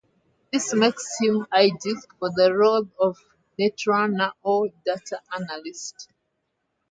This makes him ideal for the role of "netrunner" or data analyst.